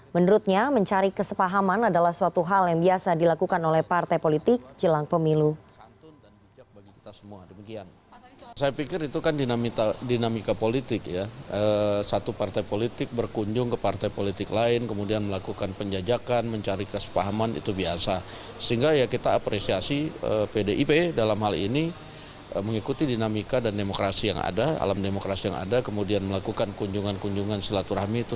menurutnya mencari kesepahaman adalah suatu hal yang biasa dilakukan oleh partai politik jelang pemilu